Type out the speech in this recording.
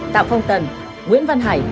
tạm phong tần nguyễn văn hải